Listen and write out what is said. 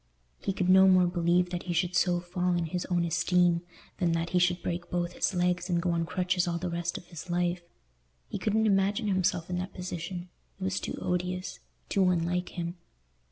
He could no more believe that he should so fall in his own esteem than that he should break both his legs and go on crutches all the rest of his life. He couldn't imagine himself in that position; it was too odious, too unlike him.